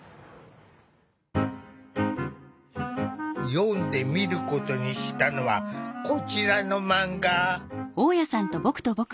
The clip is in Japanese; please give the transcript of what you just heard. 読んでみることにしたのはこちらのマンガ。